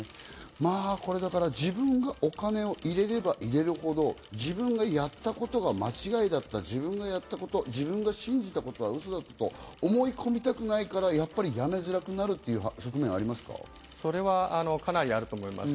自分がお金を入れれば入れるほど自分がやったことが間違いだった、自分がやったこと、自分が信じたことはウソだったと思い込みたくないから、やっぱりやめづらくなるといそれはかなりあると思います。